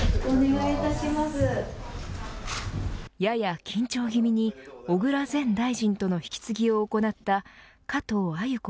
やや緊張気味に小倉前大臣との引き継ぎを行った加藤鮎子